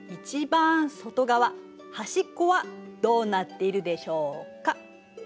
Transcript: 番外側端っこはどうなっているでしょうか？